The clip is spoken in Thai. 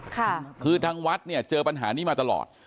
ค่ะคือทางวัดเนี่ยเจอปัญหานี้มาตลอด